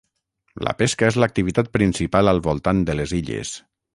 La pesca és l'activitat principal al voltant de les illes.